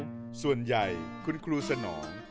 ส่วนใหญ่คุณครูสนอง